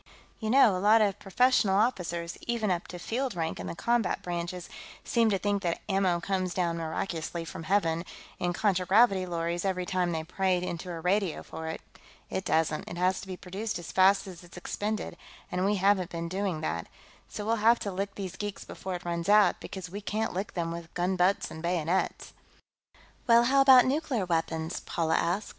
"You know, a lot of professional officers, even up to field rank in the combat branches, seem to think that ammo comes down miraculously from Heaven, in contragravity lorries, every time they pray into a radio for it. It doesn't; it has to be produced as fast as it's expended, and we haven't been doing that. So we'll have to lick these geeks before it runs out, because we can't lick them with gunbutts and bayonets." "Well, how about nuclear weapons?" Paula asked.